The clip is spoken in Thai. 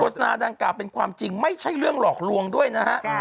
สนาดังกล่าเป็นความจริงไม่ใช่เรื่องหลอกลวงด้วยนะฮะ